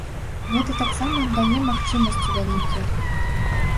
Гэта таксама дае магчымасці вялікія.